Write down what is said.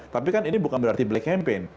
tapi kan ini bukan berarti black campaign